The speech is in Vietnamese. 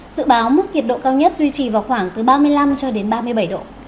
dự báo mức nhiệt độ cao nhất duy trì vào khoảng từ ba mươi năm cho đến ba mươi bảy độ